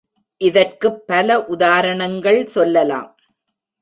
இதற்குப் பல உதாரணங்கள் சொல்லலாம்.